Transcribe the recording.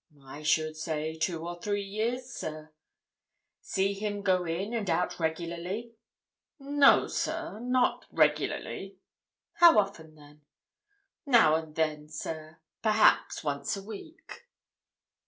"I should say two or three years, sir." "See him go in and out regularly?" "No, sir—not regularly." "How often, then?" "Now and then, sir—perhaps once a week."